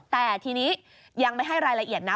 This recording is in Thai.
แต่ทีนี้ยังไม่ให้รายละเอียดนะ